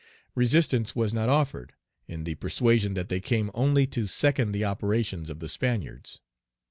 Resistance was not offered, in the persuasion that they came only to second the operations of the Spaniards.